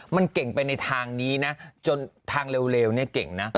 มันเก่งไปในทางนี้นะจนทางเร็วเนี่ยเก่งนะ